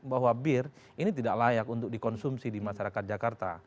bahwa bir ini tidak layak untuk dikonsumsi di masyarakat jakarta